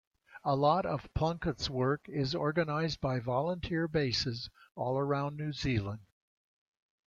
A lot of Plunket's work is organised by volunteer bases all around New Zealand.